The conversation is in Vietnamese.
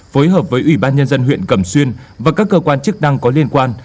phối hợp với ủy ban nhân dân huyện cẩm xuyên và các cơ quan chức năng có liên quan